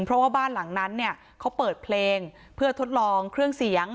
เพราะว่าบ้านหลังนั้นเนี่ยเขาเปิดเพลงเพื่อทดลองเครื่องเสียง